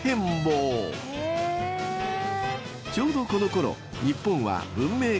［ちょうどこのころ］